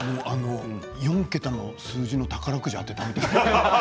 ４桁の数字の宝くじが当たったみたい。